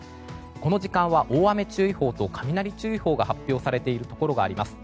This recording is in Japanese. この時間は大雨注意報と雷注意報が発表されているところがあります。